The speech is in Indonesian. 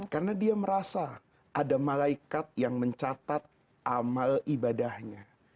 karena dia merasa ada malaikat yang mencatat amal ibadahnya